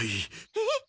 えっ？